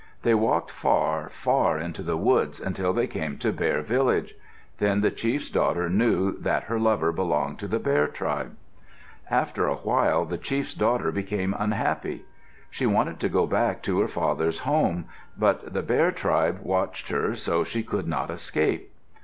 They walked far, far into the woods until they came to Bear village. Then the chief's daughter knew that her lover belonged to the Bear tribe. After a while the chief's daughter became unhappy. She wanted to go back to her father's home, but the Bear tribe watched her so she could not escape.